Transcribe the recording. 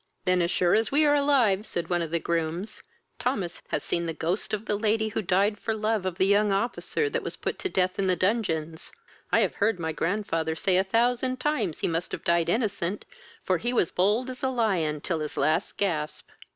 "Then, as sure as we are alive,(said one of the grooms,) Thomas has seen the ghost of the lady who died for love of the young officer that was put to death in the dungeons. I have heard my grandfather say a thousand times he must have died innocent, for he was a bold as a lion till his last gasp."